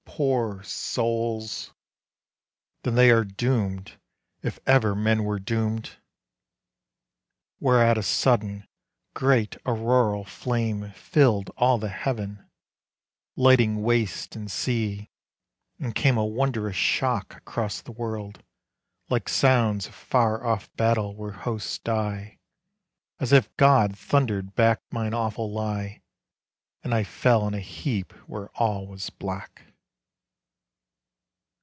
poor souls! Then they are doomed if ever men were doomed." Whereat a sudden, great auroral flame Filled all the heaven, lighting wastes and sea, And came a wondrous shock across the world, Like sounds of far off battle where hosts die, As if God thundered back mine awful lie, And I fell in a heap where all was black.